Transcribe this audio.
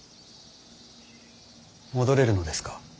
戻れるのですか？